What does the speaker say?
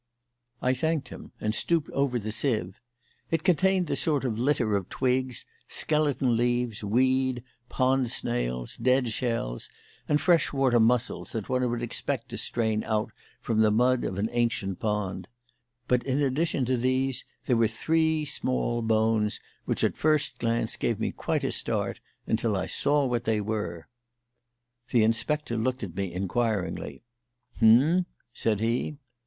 I thanked him and stooped over the sieve. It contained the sort of litter of twigs, skeleton leaves, weed, pond snails, dead shells, and fresh water mussels that one would expect to strain out from the mud of an ancient pond; but in addition to these there were three small bones which at the first glance gave me quite a start until I saw what they were. The inspector looked at me inquiringly. "H'm?" said he.